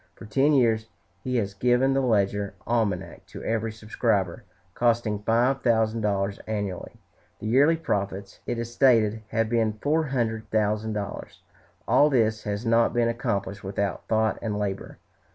For ten years he has given the "Ledger Almanac" to every subscriber, costing five thousand dollars annually. The yearly profits, it is stated, have been four hundred thousand dollars. All this has not been accomplished without thought and labor.